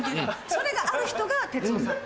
それがある人が哲夫さん。